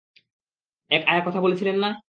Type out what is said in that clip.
এক আয়ার কথা বলেছিলেন না?